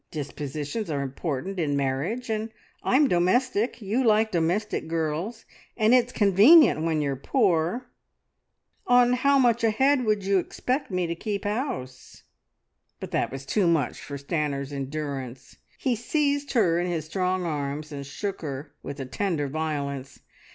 Dispositions are important in marriage. And I'm domestic; you like domestic girls, and it's convenient when you're poor. ... On how much a head would you expect me to keep house?" But that was too much for Stanor's endurance; he seized her in his strong arms and shook her with a tender violence.